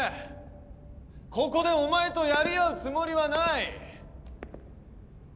ここでお前とやり合うつもりはない！